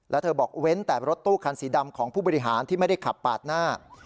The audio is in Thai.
แล้วเธอบอกเว้นแต่รถตู้คันสีดำของผู้บริหารที่ไม่ได้ขับปาดหน้า